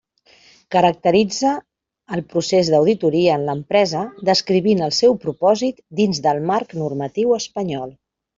Caracteritza el procés d'auditoria en l'empresa, descrivint el seu propòsit dins del marc normatiu espanyol.